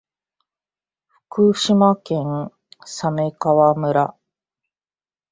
福島県鮫川村